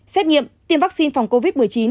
xét nghiệm tiêm vaccine phòng covid một mươi chín